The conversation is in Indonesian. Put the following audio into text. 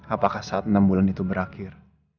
apakah saat enam bulan itu berakhir